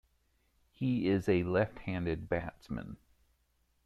He is a left-handed batsman.